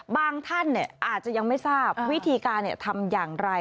ท่านอาจจะยังไม่ทราบวิธีการทำอย่างไร